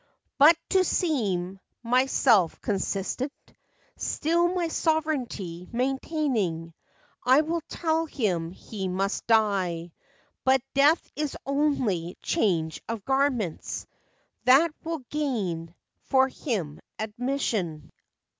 "But to seem, myself, consistent, Still my sovereignty maintaining, I will tell him he must die ; but Death is only change of garments, That will gain for him admission io8 FACTS AND FANCIES.